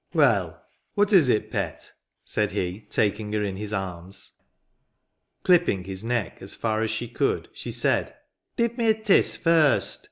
Well ; what is it, pet?" said he, taking her in his arms. Clipping his neck, as far as she could, she said, " Div me a tis, first."